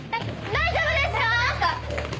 大丈夫ですか？